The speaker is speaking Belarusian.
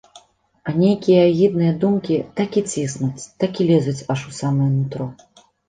А нейкія агідныя думкі так і ціснуць, так і лезуць аж у самае нутро.